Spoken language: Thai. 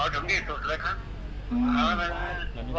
ถึงที่สุดเลยครับ